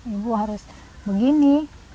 ibu harus begini